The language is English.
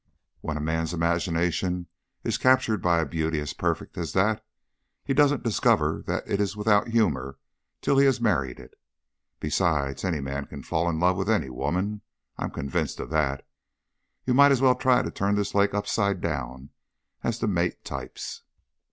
"When a man's imagination is captured by a beauty as perfect as that, he doesn't discover that it is without humour till he has married it. Besides, any man can fall in love with any woman; I'm convinced of that. You might as well try to turn this lake upside down as to mate types."